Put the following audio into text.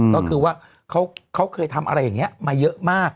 ก็คือเขาเคยทำอะไรแบบนั้นมาเยอะมาก